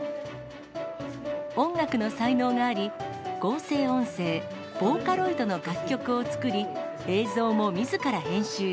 音楽の才能があり、合成音声・ボーカロイドの楽曲を作り、映像もみずから編集。